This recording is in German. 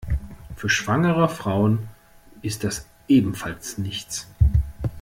Für schwangere Frauen ist das ebenfalls nichts.